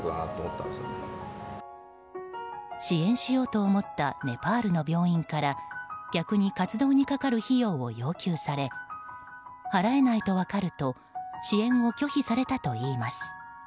支援しようと思ったネパールの病院から逆に活動にかかる費用を要求され払えないと分かると支援を拒否されたといいます。